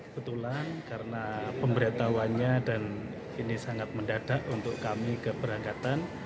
kebetulan karena pemberitahuannya dan ini sangat mendadak untuk kami keberangkatan